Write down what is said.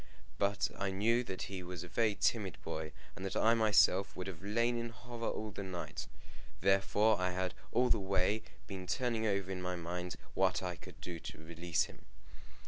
But I knew that he was a very timid boy, and that I myself would have lain in horror all the night. Therefore I had all the way been turning over in my mind what I could do to release him.